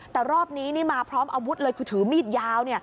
แต่รอบนี้นี่มาพร้อมอาวุธเลยคือถือมีดยาว